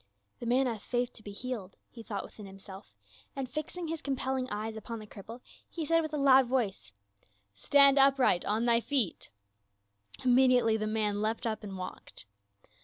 "The man hath faith to be healed," he thought within himself, and fixing his compelling eyes upon the cripple, he said with a loud voice, " Stand upright on thy feet !" Immediately the man leapt up and walked.